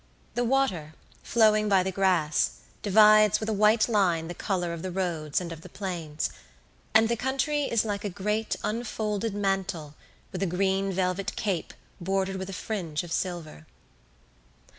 The water, flowing by the grass, divides with a white line the colour of the roads and of the plains, and the country is like a great unfolded mantle with a green velvet cape bordered with a fringe of silver.